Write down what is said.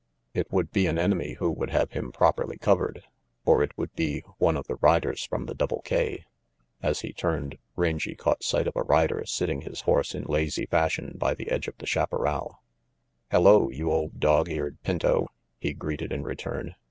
It would be an enemy who would have him properly covered, or it would be one of the riders from the Double K. As he turned, Rangy caught sight of a rider sitting his horse in lazy fashion by the edge of the chaparral. "Hello, you old dog eared pinto/' he greeted in return.